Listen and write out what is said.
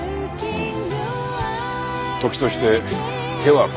うん。